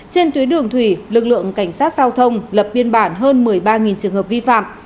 trên tuyến đường thủy lực lượng cảnh sát giao thông lập biên bản hơn một mươi ba trường hợp vi phạm